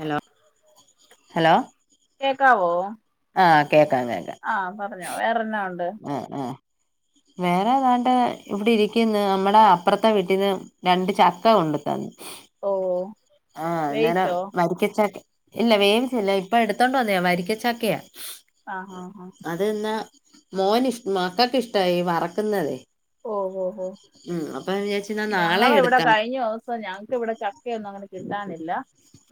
Hello hello കേക്കാവോ ആ കേക്കാൻ കേക്ക ആഹ് പറഞ്ഞോ വേറെന്നാ ഉണ്ട് ആ അ വേറെ ദാണ്ട് ഇവിടെ ഇരിക്കന്ന് നമ്മടെ അപ്പുറത്തെ വീട്ടീന്ന് രണ്ട് ചക്ക കൊണ്ടത്തന്ന് ഓഓ ആഹ് അന്നേരം വരിക്കച്ചക്കെ ഇല്ല വേവിച്ചില്ല ഇപ്പൊ എടുത്തോണ്ടോന്നിയാ വരിക്കച്ചക്കയാാ ആഹ് ആഹ ആഹ മോന് ഇഷ മക്കൾക്ക് ഇഷ്ടമായി വറക്കുന്നതെ ഉം അപ്പൊ എന്നാ നാളെ ഞങ്ങള ഇവിടെ എടുക്കാം കഴിഞ്ഞ ഒവസം ഞങ്ങക്ക് ഇവിടെ ചക്കൊന്നും ങ്ങനെ കിട്ടാനില്ല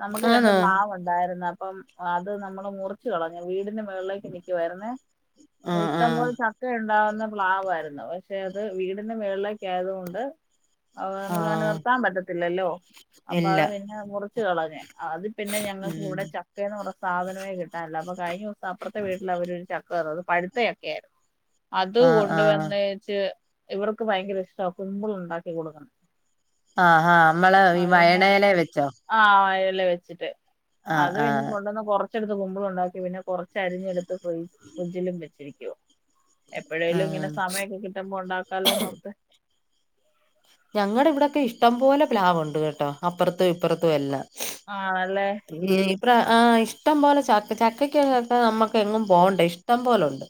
നമുക്ക് രണ്ട് ആന്നോ പ്ലാവ് ഉണ്ടായിരുന്നപ്പോ പ്പം അത് നമ്മള് മുറിച്ചു കളഞ്ഞ് വീടിന്റെ മുകളിലേക്ക് നിക്കുവായിരുന്നേ ആഹ് ഇഷ്ടം ആഹ് പോലെ ചക്കയുണ്ടാ? പ്ലാവായിരുന്നു പക്ഷെ അത് വീടിന്റെ മേളിലേക് ആയത് കൊണ്ട് അവ് നമുക്ക് അങ്ങനെ ആഹ് നിർത്താൻ പറ്റത്തില്ലല്ലോ അപ്പൊ ഇല്ല അത് പിന്നെ മുറി റിച്ച് കളഞ്ഞേ അത് പിന്നെ ഞങ്ങൾക്ക് ഉം കൂടെ ചക്കേന്ന് സാധനമേ കിട്ടാനില്ല അപ്പൊ വായിയോ അപ്പുറത്തെ വീട്ടിൽ അവര് ചക്ക വേറെ അത് പഴുത്തെ ചക്കായിരുന്നു അത് ആഹ് ആഹ് കൊണ്ടുവന്നേച് ഇവർക്ക് ഭയങ്കര ഇഷ്ട കുമ്പുൾ ണ്ടാക്കി കൊടുക്കണം ആഹാ നമ്മള് ഈ അത് പിന്നെ വയണയിലെ വെച്ചോ? ആ ഇല വെച്ചിട്ട് ആഹ് അത് പിന്നെ ആഹ് കൊണ്ടുവന്ന് കൊറ കുറച്ചെടുത്ത് കുമ്പളും ഉണ്ടാക്കി പിന്നെ കുറച്ച് അരിഞ്ഞെടുത്ത് [inaudible] ഫ്രിഡ്ജിലും വെച്ചിരിക്കണ് റ്റോ എപ്പഴേലും ആഹ് ഇങ്ങനെ സമയൊക്കെ കിട്ടുമ്പോ ഉണ്ടാക്കാലോന്നോർത്ത് ഞങ്ങളുടെ ഇവിടൊക്കെ ഇഷ്ടം പോലെ പ്ലാവ്ണ്ട് കേട്ടോ അപ്പുറത്തും ഇപ്പുറത്തും അല്ല ആണല്ലേ ഇപ്ര ആഹ് ഇഷ്ടം പോലെ ച ചക്കയ്ക്ക്‌ നമുക്ക് എങ്ങും പോണ്ട ഇഷ്ടം പോലുണ്ട്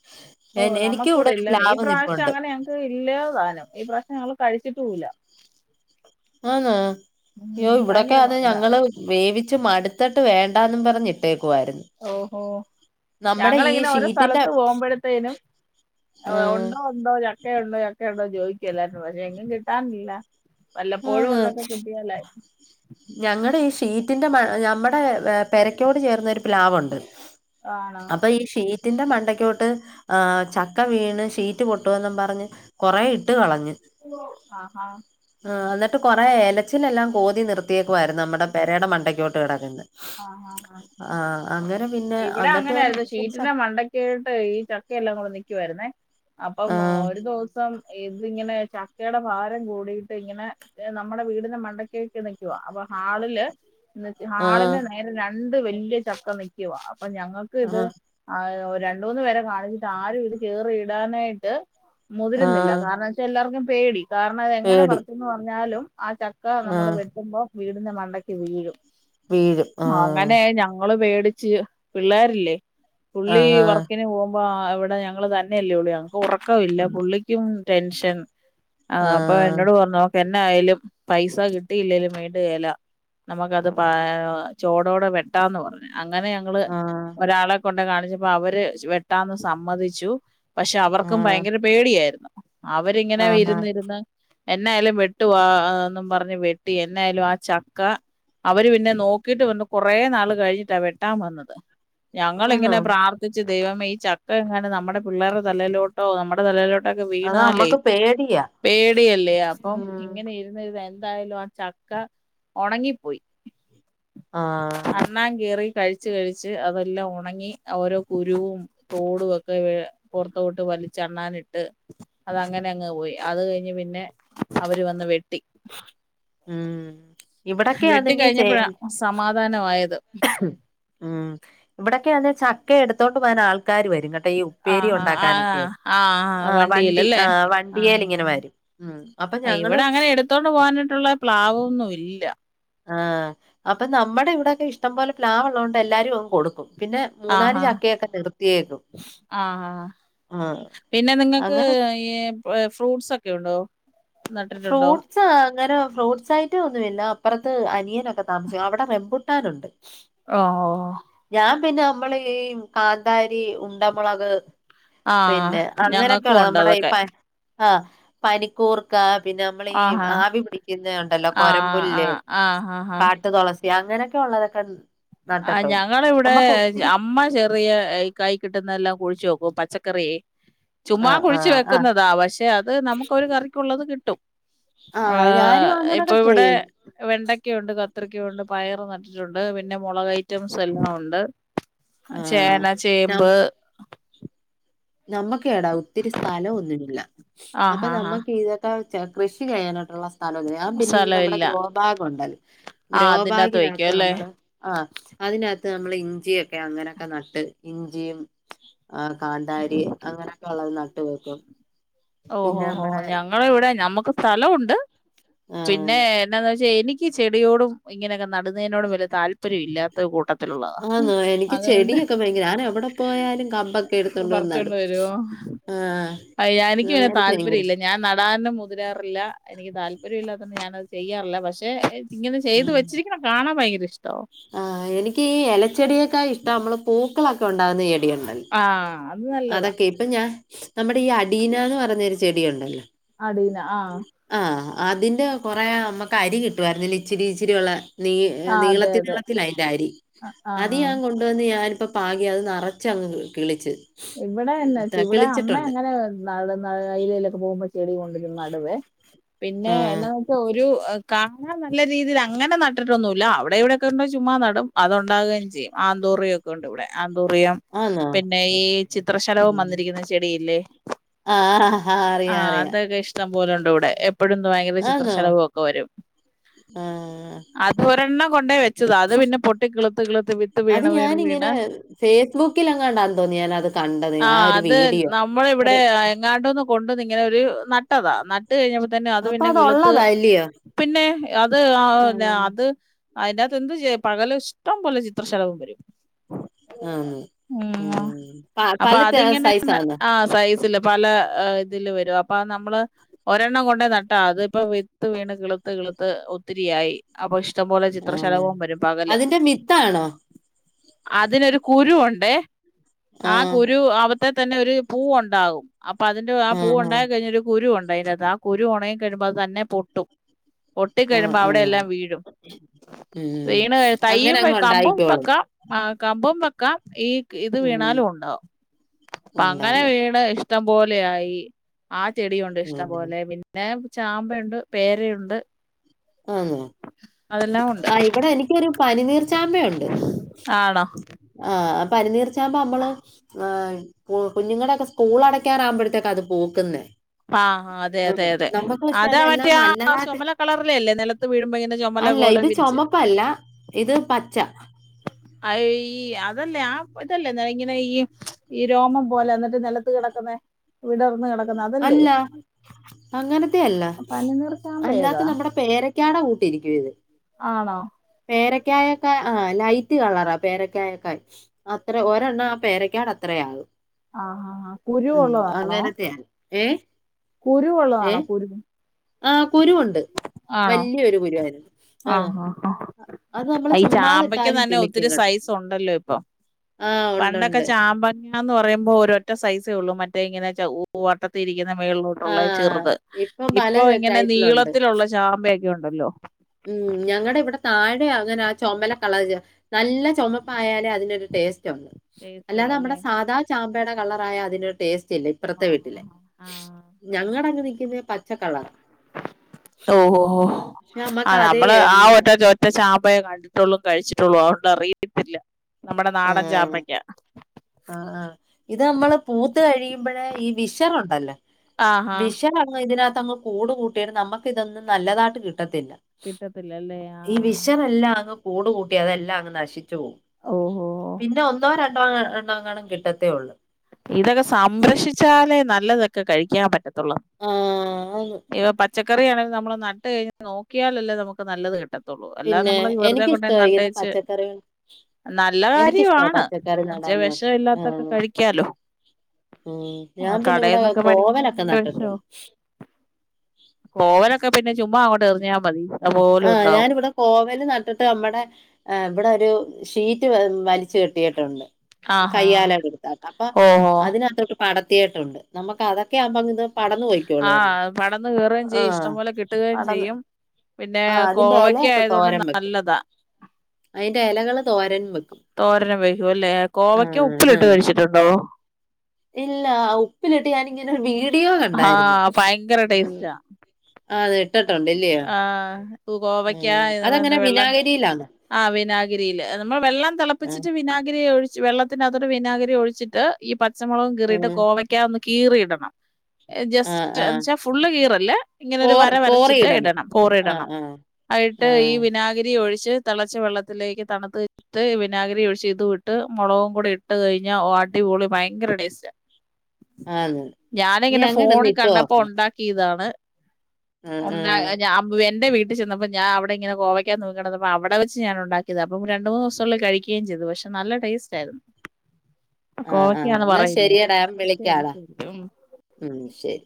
ഓ നമുക്ക്‌ ഇവിടെ ഇല്ലന്നെ ഈ പ്രാവശ്യം നിപ്പുണ്ട് അങ്ങനെ ഞങ്ങക്ക് ഇല്ലാ സാനം ഈ പ്രാവശ്യം ഞങൾ കഴിച്ചിട്ടൂല്ല ആനോ? യോ ഉം ഇവിടൊക്കെ ഭയങ്കര അത് ഇതാ ഞങ്ങള് വേവിച്ച് ച്ച് മടുത്തിട്ട് വേണ്ടാന്നും പറഞ്ഞിട്ടേ ഓഹോ നമ്മുടെ ഈ ഞങ്ങളിങ്ങനെ ഓരോ ഷീറ്റിന്റെ സ്ഥലത്ത് പോകുമ്പോഴത്തേനും ആഹ് ഉണ്ടോ ഉണ്ടോന്ന് ചക്കയുണ്ടോ ചക്കയുണ്ടോ ചോയിക്കെല്ലാരും പക്ഷെ എങ്ങും കിട്ടാനില്ല വല്ലപ്പോഴും ആന്ന് ഒന്നൊക്കെ കിട്ടിയാലായി ഞങ്ങടെ ഈ ഷീറ്റിന്റെ മ നമ്മുടെ പെരക്കോട് ചേർന്നൊരുപ്ലാവ് ഉണ്ട് ആണോ അപ്പ ഈ ഷീ വീട്ടിന്റെ മണ്ടയ്ക്കോട്ട്ആ ചക്ക വീണ് ഷീറ്റ് പൊട്ടുവെന്നും പറഞ്ഞ് കൊറെ ഇ ആ ആ ആ എന്നിട്ട് കൊറെ എല അച്ചിലെല്ലാം കോതി നിർത്തിയേക്കുവായിരുന്നു നമ്മുടെ പെരേടെ മണ്ടയ്ക്കോട്ട് കെടക്ക്ന്ന് പിന്നെ ഇവിടെ അന്നിട്ട് തന്നെ അങ്ങനൊയിരുന്നു ഷീറ്റിന്റെ മണ്ടക്കായിട്ട് ഈ ചക്കയെല്ലാം കൂടെ നിക്കുവായിരുന്നേ അപ്പം ആ ഒരു ദിവസം ഇത് ഇങ്ങനെ ചക്കയുടെ ഭാരം കൂടിട്ട് ങ്ങനെ നമ്മുടെ വീടിന്റെ മണ്ടക്കയൊക്കെ നിൽക്കുവാ അപ്പൊ ഹാളില് നിർത്തി ആ ഹാളി രണ്ട് വല്യ ചക്ക നിക്കുവാ അപ്പൊ ഞങ്ങൾക്ക് ആ ഇത് ആ രണ്ടു മൂന്ന് പേരെകാണിച്ചിട്ട് ആരും ഇത് കേറിയിടാനായിട്ട് ആ മുതിരുന്നില്ല കാരണംച്ചാൽ എല്ലാർക്കും പേടി കാരണം അത് എങ്ങനെ പേടി പറിച്ചെന്ന് പറഞ്ഞാലും ആ ചക്ക ആ നമ്മള് വെട്ടുമ്പോ വീടിന്റെ മണ്ടക്ക് വീഴും വീഴും ആ അങ്ങനെ ഞങ്ങള് പേ ച്ച് പിള്ളേരല്ലേ പുള്ളി ആഹാ വർക്കിന് പോകുമ്പോ അ ഇവിടെ ഞങ്ങള് തന്നെയല്ലേയുള്ളു ഞ ആ ഒറക്കമില്ല ഉം, പുള്ളിക്കും ടെൻഷൻ ആ അപ്പൊ എന്നോട് പറഞ്ഞു എന്നായാലും പൈസ കിട്ടിയില്ലേലും വേണ്ടു കേല നമുക്കത് പ ചോടോടെ വെട്ടാന്ന് പറഞ്ഞ് അങ്ങനെ ഞങ്ങള് ആ ഒരാളെ കൊണ്ട കാണിച്ചപ്പൊ അവര് വെട്ടാന്ന് സമ്മതിച്ചു പക്ഷെ അവർക്കും ഭയങ്കര പേടിയായിരുന്നു അവരിങ്ങനെ ആഹാ ഇരുന്നിരുന്ന് എന്നായാലും വെട്ടുവാന്നും പറഞ്ഞ് വെട്ടി എന്നായാലും ആ ചക്ക അവര് പിന്നെ നോ ക്കിട്ട് വന്ന് കൊറേ നാള് കഴിഞ്ഞിട്ടാ വെട്ടാൻ വന്നത് ആന്നോ ഞങ്ങളിങ്ങനെ പ്രാർത്ഥിച്ചു ദൈവമെ ചക്ക എങ്ങനെ നമ്മുടെ പിള്ളേറെ തലെലോട്ടോ നമ്മുടെ തലെലോട്ടോ ട്ടക്കെ അത് വീണാലേ അമ്മക്ക് പേടിയാ പേടിയല്ലേ അപ്പോം ഉം ഇങ്ങനെ ഇരുന്നിരിന്ന് എന്തായാലും ആ ചക്ക ഒണങ്ങിപ്പോയി ആ അണ്ണാങ്കേറി കഴിച്ച് കഴിച്ച് അതെല്ലാം ഒണങ്ങി ഓരോ കുരുവും തോടും ഒക്കെ വി പൊറത്തോട്ട് വലിച്ചണ്ണാനിട്ട് അതങ്ങനെ അങ്ങ് പോയി അത് കഴിഞ്ഞ് പിന്നെ അവര് വന്ന് വെ ഉം ഇവിടൊക്കെയാന്നെങ്കി ചെയ് ധാനവായ ഉം ഇവിടെ ക്കെയാനെ ചക്ക എടുത്തോണ്ട് പാൻ ആൾക്കാര് വരും [unintelligible] ആ ഹാ ആ ഉണ്ടാക്കാനൊക്കെ ആ ആ ആ വണ്ടി ആ വണ്ടിയിലല്ലേ വണ്ടിയേൽ ഇങ്ങനെ ആഹ വരും ഉം അപ്പൊ ഞങ്ങള് ഇവിടെ അങ്ങനെ എടുത്തോണ്ട് പോവാനിട്ടുള്ള പ്ലാവൊന്നും ഇല്ല ആഹ് അപ്പൊ നമ്മടെ ഇവിടക്കെ ഇഷ്ടം പോലെ പ്ലാവോള്ളോണ്ട് എല്ലാരും അങ്ങ് കൊടുക്കും പിന്നെ മൂന്നാല് ആഹാ ചക്കയെക്കെ നിർത്തിയേക്കും ആഹാ ആഹ് അങ്ങനെ ഫ്രൂട്ട്സൊക്കെ ഒണ്ടോ ഫ്രൂട്ട്സ് അങ്ങനെ ഫ്രൂട്ട്സായിട്ട് ഒന്നുവില്ല അപ്രത്ത് അനിയനൊക്കെ താമസി അവിടെ റെമ്പുട്ടാനൊണ്ട് ഓ ഓ പിന്നെ നമ്മള് ഈ കാന്താരി ഉണ്ടമോളക് ആഹ് ഞങ്ങക്കും ഒണ്ട് അതക്കെ ആഹ് പനിക്കൂർ ക്കാ പിന്നെ നമ്മളീ ആഹാ ആവി പിടിക്കുന്നെ ഒണ്ടല്ലോ ആഹ് കൊരംമ്പുല്ല് ആഹ് ആഹ് ആഹ് ആഹ് കാട്ടു തൊളസ് അങ്ങനെക്കെ ഒള്ളതൊക്കെ ആ ഞങ്ങളിവിടെ അമ്മ ചെറിയ കൈ കിട്ടുന്നെല്ലാം കുഴിച്ചോക്കും പച്ചക്കറീ ചുമ്മാ ആഹ് കുഴിച്ചു ആഹ് ആഹ് വെക്കുന്നതാ പഷേ അത് നമുക്കൊരു കറിക്കുള്ളത് കിട്ടും ആ ആഹ് ഞാനും ഇപ്പൊ അങ്ങനൊക്കെ ഇവിടെ ചെയ്യും വെണ്ട ക്ക്യണ്ട്, കത്രിക്കോണ്ട് പയറ് നട്ടിട്ടൊണ്ട് പിന്നെ ന്നെ മുളക് ഐറ്റംസ് എല്ലാം ഉണ്ട് ആഹ് ചേന ചേമ്പ് നമ്മുക്കേടാ ഒത്തിരി സ്ഥലം ഒന്നുമില്ല ആഹ് അപ്പൊ ആഹ് ആഹ് നമ്മുക്ക് ഇതൊക്കെ കൃഷി ചെയ്യാനായിട്ടുള്ള സ്ലോ ആ പിന്നെ ഈ സ്ഥലം നമ്മുടെ ഇല്ല ഗ്രോബാഗ് ഉണ്ടല്ല ആഹ് അതിന്റകത്ത് വെക്കും ഗ്രോബാഗിനകത്ത് അല്ലേ നമ്മള് ആ അതിനകത്ത് നമ്മൾ ഇഞ്ചിയൊക്കെ അങ്ങനെയൊക്കെ നട്ട് ഇഞ്ചിയും കാണ്ട അങ്ങനെയൊക്കെ ഉള്ളത് നട്ട് വെക്കും ഓഹോ പിന്നെ ഓോ നമ്മടെ ഞങ്ങ ഇവിടെ ഞമ്മക്ക് സ്ഥലം ഉണ്ട് ആഹ് പിന്നെ എന്നതാ പക്ഷെ എനിക്ക് ചെടിയോടും ഇങ്ങനെയൊക്കെ നടുന്നതിനോടും വലിയ താല്പര്യം ഇല്ലാത്ത ഒരു കൂട്ടത്തി ആഹ നോ എനിക്ക് ചെടിയൊക്കെ ഭങ്ക ഞാൻ എവിടെ പോയാലും കമ്പൊക്കെ എടുത്തണ്ട പറിച്ചോണ്ട് വന്നടും വരുവോ ആഹ എനിക്ക് താല്പര്യംല്ല ഞാൻ നടാനും മുതിരാറില്ല എനിക്ക് താല്പര്യം താല്പര്യം ഇല്ലാത്തോട് ഞാനത് ചെയ്യാറില്ല പക്ഷേ ഉ ആഹ എനിക്ക് ഇലച്ചെടിയൊക്കെ ഇഷ്ടം നമ്മള് പൂ മക്കൊക്കെ ഉണ്ടാവുന്ന ആഹ അതൊക്കെ ഇപ്പൊ ഞാൻ നമ്മുടെ ഈ അഡീനന്ന് പറഞ്ഞൊരു ചെടിയുണ്ടല്ലോ അടി ന ആഹ ആ അതിന്റെ കൊറെേ നമുക്ക് അരി കിട്ടുവായിരുന്നില്ല ഇച്ചിരി ഇച്ചിരി ഉള്ള നീ ആഹ് അതെ നീളത്തി അതെ നീളത്തിലായി് അരി അത് ആഹ് ആഹ് ഞാൻ കൊണ്ടുവന്ന് ഞാൻ ഇപ്പൊ പാകി അത് നിറച്ച്ങ്ങ് കിളിച്ച് ഇവിടൊ ഉം, ത- ഇവിടെ അമ്മ കിളിച്ചിട്ടുണ്ട്. അങ്ങനെ നാ അലയിലൊക്കെ പോകുമ്പ ചെടികൊണ്ടിരുന്ന നടുവേ പിന്നെ ആ. എന്താ വെച്ചാ ഒരു കാണാൻ നല്ല രീതിയിൽ അങ്ങനെ നാടി ന്നുമ ഇല്ല അവിടെ ഇവിടെയൊക്കെ ഉണ്ടോ ചുമ്മാ നടും അത്തുണ്ടാാവുകയും ചെയ്യും ആന്തോറൊക്കെ ഉണ്ട് ഇവിടെ ആന്തൊരുയം ആന്നോ? പിന്നെ ഈ ചിത്രശലവും ഉം. വന്നിരിക്കുന്ന ചെടിയില്ലേ ആഹ് ആ അറിയാം, അറിയാം. അതൊക്കെ ഇഷ്ടം പോലുണ്ട് ഇവിടെ എ എപ്പോഴും ഭയങ്കര ആന്നോ? ചിത്രശലവും ഒക്കെ വരും ആഹ്. അത്ൊരെണ്ണം കൊണ്ടേ വെച്ചത അത് പിന്നെ പൊട്ടിക്കള അത് ഞാാനിങ്ങനെ ഫേസ്ബുക്കിൽങ്ങാണ്ടാ തോന്നി ഞാാനത് ആ അത് നമ്മള ഇവിടെ എങ്ങാണ്ടന്ന് കൊണ്ടന്ന ഇങ്ങനെ ഒരു നട്ടത് ഇട്ട കഴിഞ്ഞപ്പോ തന്നെ അത് അപ്പൊ പിന്നെ കിളത്ത് ഉള്ളതാ അല്ലയോ? പിന്നെ അത് ആ ആഹ്. അത് അതിനകത്ത് എന്ത് ചെയ്യാൻ പകല് ഇഷ്ടം പോലെ ചിത്രശലഭം വരും അന്നു ഉം പ അപ്പൊ പല ത അതിങ്ങനെന്ന് സൈസാന്നോ? ആ സൈ സില് പല ഇതില് വരും അപ്പ നമ്മള് ഒരെണ്ണം കൊണ്ട് നട്ട അതിപ്പ വിത്ത് വീണ് കിളിത്ത് കിളിത്ത് ഒത്തിരിയായി അപ്പ ഇഷ് ടംപോലെ ആഹ്. ചിത്രശലഭം വരും പകല് അതിന്റെ വിത്താണോ? അതിനൊരു കുരു ഉണ്ട് അതെ ആഹ് കുരു അവിതേൽ തന്നെ ഒരു പൂവ് ഉണ്ടാവും അപ്പൊ അതിന്റെ ആ പൂവ് ആഹാ. ഉണ്ടായി കഴിഞ്ഞ് ഒരു കുരു ഉണ്ട് അതിനകത്ത് ആ കുരു ഉണങ്ങി കഴിയുമ്പോ അത് തന്നെ പൊട്ടും ആഹ്, പൊട്ടിക്കഴിയുമ്പോ ആഹ്. അവിടെയെല്ലാം വീഴും ഉം. വീണ് കഴിയും അങ്ങനെ തയ്യും അങ്ങ് കമ്പും ഉണ്ടായിക്കോളും. വെക്കാം ആഹ് കമ്പും വെക്കാം ഈ ഇത് വേണ്ട ഉം. എന്നാലും ഉണ്ടാവും അപ്പം അങ്ങനെ ഉണ്ടാവും. വീണ് ഇഷ്ടം പോലെയായി ആ ചെടിയുണ്ട് ഉം. ഇഷ്ടംപോലെ പിന്നെ ചാമ്പയുണ്ട് പേരയുണ്ട് ആന്നാ അതെല്ലാം ഉണ്ട്. ആ ഇവിടെ എനിക്കൊരു പനിനീർ ചാമ്പയുണ്ട് ആണോ ആഹ് പനിനിർ ച ചാമ്പ നമ്മള് കുഞ്ഞുങ്ങളുടെയൊക്കെ സ്കൂൾ അടക്കാറാകുമ്പോഴത്തേക്കാ അത് പൂക്കുന്നെ ആഹ് അതെ അതെ അതെ പക്ഷെ അതാ അതെല്ലാം മറ്റേ ആ നല്ലതായിട്ട് ചുമല കളറില അല്ലേ നില അല്ല ഇത് ചുമപ്പല്ല ഇത് പച്ച ആയി അതല്ലേ ആ ഇതല്ലേ ഇങ്ങനെ ഈ ഈ രോമം പോലെ എന്നിട്ട് നിലത്ത് കിടക്കുന്നെ വിടർന്ന് കിടക്കുന്നെ അല്ല അങ്ങനത്തെയല്ല പനിനീർ ചാമ്പ ഏതാ അല്ലാത്ത നമ്മുടെ പേര ക്കാ ടെ കൂട്ടിരിക്കും ഇത് ആണോ ക്കായക്കായ് ആഹ് ലൈറ്റ് കളറാ പേരക്കായക്കായ് അത്ര ഒരെണ്ണം ആ പേരക്കാട അത്രേം ആകും ആഹ് കുരു ഉള്ളതാണോ അങ്ങനത്തെയാണ് ഏഹ് കുരുവുള്ളതാണോ ഏഹ് കുരു ആഹ് കുരുവുണ്ട് ആണോ വല്ല്യൊരു കുരുവായിരുന്നു ആ ആഹ് ആ ആ അത് നമ്മള് ഈ ചാമ്പയ്ക്ക് ചുമ്മാതിട്ടാലും തന്നെ കിളിക്കും ഒത്തിരി കേട്ടോ സൈസ് ഉണ്ടല്ലോ ഇപ്പൊ ആഹ് ഉണ്ടുണ്ട് ങ്ങാന്ന് പറയുമ്പോ ഒരൊറ്റ സൈസേ ഉള്ളൂ മറ്റേ ഇങ്ങനെ ചൊ വട്ടത്തിരിക്ക്ന്നെ ആ മേളിലോട്ടുള്ള ചെറുത് ഇപ്പൊ പല ഇപ്പ ഇങ്ങനെ ടൈപ്പിലുണ്ട് നീളത്തിലുള്ള ചാമ്പയൊ യുണ്ടല്ലോ ഉം ഞങ്ങടെ ഇവിടെ താഴെ അങ്ങനെ ആ ചുമല കളർ നല്ല ചുമപ്പായാലേ അ തിനൊരു ട്ടേസ്റ്റൊണ്ട് ടേസ്റ്റ് ഉള്ള അല്ലാതെ നമ്മെടെ അല്ലേ സാധ ചാമ്പ യുടെ കളറായ അതിനൊരു ടേസ് റ്റില്ല ഇപ്പറത്തെ ആ വീട്ടിലെ ഞങ്ങടെങ് പിന്നെ പ ഓഹോ ഹോ പക്ഷെ ആ നമുക്ക് അത് നമ്മള് ഉം, ആ ഒറ്റ ഒറ്റ ചാമ്പയെ കണ്ടിട്ടൊ ട്ടുള്ളു കഴിച്ചിട്ടുള്ളൂ അതോണ്ട് അറിയത്തില്ല നമ്മുടെ ആ, നാടൻ ചാമ്പയ്ക്ക ആ ആ ഇത് നമ്മള് പൂത്ത് കഴിയുമ്പഴേ ഈ വിഷറുണ്ടല്ലേ ആഹാ വിഷറങ്ങ് ഇതിനക ത്തങ്ങ് കൂട് കൂട്ടിയാല് നമ്മക്കിതൊന്നും നല്ലതായിട്ട് കി ട്ടത്തില്ല കിട്ടത്തില്ല അല്ലേ ആ ഈ വിശറെല്ലാം അങ്ങ് കൂട് കൂട്ടി അതെല്ലാം അങ്ങ് നശി ച്ചു പോവും ഓഹോ പിന്നെ ഒന്നോ രണ്ടോ അ ങ്ങാണും കിട്ടത്തേ ഒള്ള് ല്ലതൊക്കെ കഴിക്കാൻ പറ്റ് ത്തൊള്ളോ ആഹ് ആന്ന് ഏതാ പറ്റ് ച്ചക്കറി ആണേലും നമ്മള് നട്ട്കഴിഞ്ഞാ നോക്കിയാലല്ലേ നമുക്ക് നല്ലത് കി ട്ടത്തുള്ളൂ അല്ലാതെ പിന്നെ നമ്മള് വെറുതെ കൊണ്ടേ എനിക്കിഷ്ടവാ ഇങ്ങനെ നട്ടേച്ച് പച്ചക്കറികൾ നല്ല എനിക്കിഷ്ടവാ കാര്യമാണ് പച്ചക്കറി പക്ഷേ നടാനും ഒക്കെ വെഷവില്ലാത്തൊക്കെ ആഹ് കഴി ക്കാലോ ഉം ആ ഞാൻ പിന്നെ ഇവിടെ കടയിന്നൊക്കെ വേടിക്കുന്ന കോവലൊക്കെ എന്തൊരു വെഷാ നട്ടിട്ടുണ്ട് കോവലൊക്കെ പിന്നെ ചുമ്മാ അങ്ങോട്ട് എറിഞ്ഞാ മതി അതുപോലെ ആഹ്‌ ഉണ്ടാവും ഞാനിവിടെ കോവല് നട്ടിട്ട് അമ്മടെ ഇവിടൊരു ഷീറ്റ് വെ വലിച്ചു കെട്ടിയിട്ടുണ്ട് ആഹാ കയ്യാലേടെ അടുത്താട്ട് അപ്പ ഓഹോ അതിനകത്തോട്ട് പടത്തിയിട്ടുണ്ട് നമുക്കത ക്കെ ആകുമ്പം അങ്ങിത് പടന്ന് പോയ്ക്കോളുവല്ലോ ആഹ് പടന്ന് കയറുകയും ആ ചെയ്യും ഇഷ്ടംപോലെ കിട്ടുകയും പടന്ന് ചെയ്യും പിന്നെ ആഹ് അതിന്റെ കോവയ്ക്കാ എലയൊക്കെ ആയതുകൊണ്ട് തോരൻ വെക്കും നല്ലതാ അതിന്റെ എലകള് തോരനും വെക്കും തോരനും വെക്കുംല്ലേ കോവക്ക ആഹ് ഉപ്പിലിട്ട് ആഹ് കഴിച്ചിട്ടുണ്ടോ ഇല്ല ഉപ്പിലിട്ട് ഞാനിങ്ങനെരു വീ ആഹ് ഭയങ്കര ടേസ്റ്റാ. അതെ ആഹ് കൊവയ്ക്കാ ഉം അതെങ്ങനെ വെള്ളം വിനാഗിരിയിലാണോ? ആഹ് വിനാഗിരിയില് നമ്മൾ വെള്ളം ആഹ് തിളപ്പിച്ചിട്ട് വിനാഗിരി ഒഴി വെള്ളത്തിനന്കത്തൊരു വിനാഗരി ഒഴിച്ചിട്ട് ഈ പ ച്ചമുളകും കീറിയിട്ട് ആഹ് കോവക്ക്യാ ഒന്ന് കീറിയിടണം ആഹ് ജസ്റ്റ് എന്ന് ആഹ് വെച്ചാ ഫുള്ള് കീറല്ലേ ഇങ്ങനൊ ഒരു കോറി വര വര കോറി ചിട്ട് ഇടണം ആഹ് പോറിടണം ആഹ് ആയിട്ട് ഈ ആഹ് വിനാഗിരി ഒഴി ച്ച് തിളച്ച വെള്ളത്തിലേക്ക് തണുത്തിട്ട് വിനാഗരി ഒഴിച്ച് ഇത് വിട്ട് മുളകും കൂടി ഇട്ട് കഴിഞ്ഞാ അടിപൊളി ഭയങ്കരടെസ്റ്റാ. ആന്ന് ഇനി ഞാനിങ്ങനെ ഫോണ് അങ്ങനൊന്ന് ഇട്ട് കണ്ടപ്പോ നോക്കണം. ഉണ്ടാക്കിയതാണ്. ആഹ് ഉണ്ടാ ആഹ് ആ ഞാ എന്റെ വീ ട്ട് ചെന്നപ്പോ ഞാ അവിടെ ഇങ്ങനെ കോവയ്ക്കാ തൂങ്ങി കിടന്നപ്പോ അവിടെ വെച്ച് ഞാനുണ്ടാക്കിയതാ അപ്പം രണ്ട് മൂന്ന് ദിവസത്തി നുള്ളിൽ കഴിക്കുകയും ചെയ്തു പക്ഷെ നല്ല ടേസ്റ്റ് ആയിരുന്നു. ആഹ് ആഹ് കോവയ്ക്കാന്ന് എന്നാ പറയില്ലേ ശെരിയടാ ശരി വിളിക്കടാ ശരി ഉം ഉം ശരി